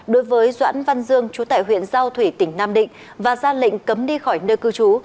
đối với doãn văn dương chú tại huyện giao thủy tỉnh nam định và ra lệnh cấm đi khỏi nơi cư trú